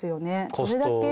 どれだけ。